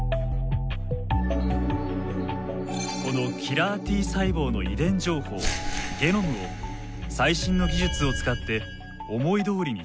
このキラーＴ細胞の遺伝情報ゲノムを最新の技術を使って思いどおりに操作。